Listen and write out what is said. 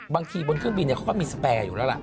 บนเครื่องบินเขาก็มีสแปรอยู่แล้วล่ะ